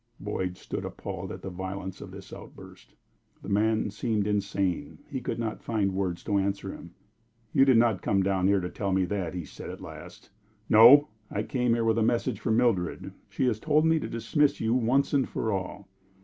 Boyd stood appalled at the violence of this outburst. The man seemed insane. He could not find words to answer him. "You did not come down here to tell me that," he said, at last. "No. I came here with a message from Mildred; she has told me to dismiss you once and for all."